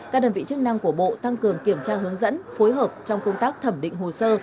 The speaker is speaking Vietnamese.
các đơn vị chức năng của bộ tăng cường kiểm tra hướng dẫn phối hợp trong công tác thẩm định hồ sơ